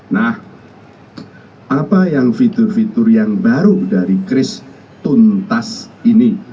nah apa yang fitur fitur yang baru dari kris tuntas ini